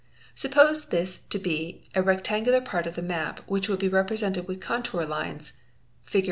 Suppose this to be a rectan — gular part of the map which would be represented with contour lines, Fig.